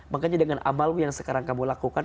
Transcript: makanya dengan amalmu yang sekarang kamu lakukan